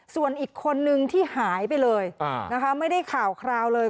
ส่วนอีกคนนึงที่หายไปเลยนะคะไม่ได้ข่าวคราวเลย